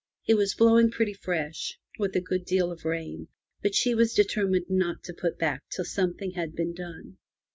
It was blow ing pretty fresh, with a good deal of rain, but she was determined not to put back till something had been done.